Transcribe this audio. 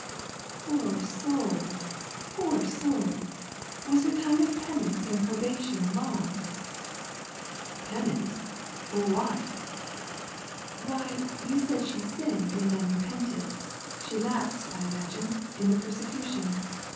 " Poor soul ! poor soul ! Was her time of penance and probation long ?"" Penance ? what for ?" "Why yon said she einnel and then repented; she lapsed, I imagine, in the persecution.